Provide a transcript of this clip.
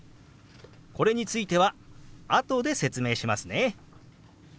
これについてはあとで説明しますね。